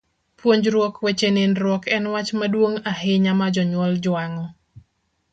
Puonjruok weche nindruok en wach maduong' ahinya ma jonyuol jwang'o.